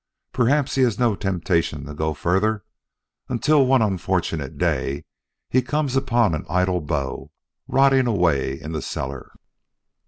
Perhaps he has no temptation to go further until one unfortunate day he comes upon an idle bow, rotting away in the cellar."